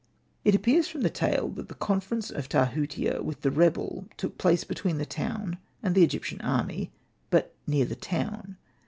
It appears from the tale that the con ference of Tahutia with the rebel took place between the town and the Egyptian army, but near the town.